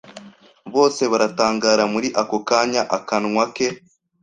Bose baratangara Muri ako kanya akanwa ke